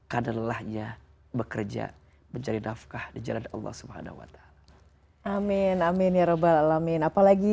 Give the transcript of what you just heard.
kadar lelahnya bekerja bercerita kaf north allah swt amin amin angga allah min apalagi